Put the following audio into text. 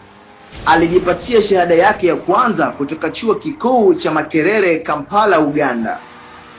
Alijipatia shahada yake ya kwanza kutoka Chuo Kikuu cha Makerere Kampala Uganda